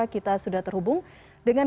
kita sudah terhubung dengan